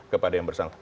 kepada yang bersama